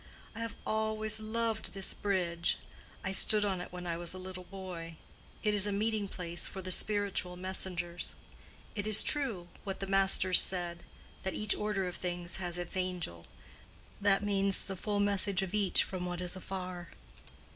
I have always loved this bridge: I stood on it when I was a little boy. It is a meeting place for the spiritual messengers. It is true—what the Masters said—that each order of things has its angel: that means the full message of each from what is afar.